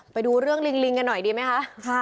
ไปดูเรื่องลิงกันหน่อยดีไหมคะ